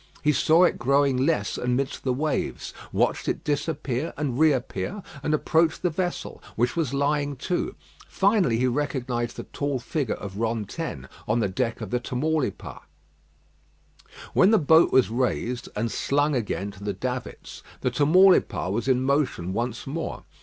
He saw it growing less amidst the waves; watched it disappear and reappear, and approach the vessel, which was lying to; finally he recognised the tall figure of Rantaine on the deck of the Tamaulipas. When the boat was raised, and slung again to the davits, the Tamaulipas was in motion once more.